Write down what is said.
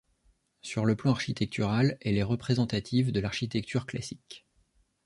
Sur le plan architectural, elle est représentative de l'architecture classique.